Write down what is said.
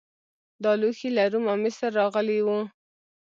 دا لوښي له روم او مصر راغلي وو